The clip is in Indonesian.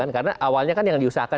karena awalnya kan yang diusahakan